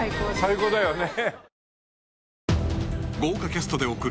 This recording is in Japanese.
最高だよね。